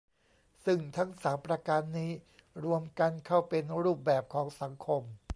ซึ่งทั้งสามประการนี้ รวมกันเข้าเป็นรูปแบบของสังคม